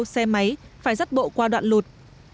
xe máy phải rắt bộ qua đoạn lụt